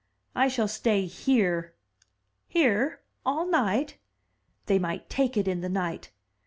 "I shall stay here." "Here! all night!" "They might take it in the night.